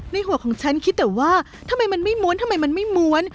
หัวของฉันคิดแต่ว่าทำไมมันไม่ม้วนทำไมมันไม่ม้วน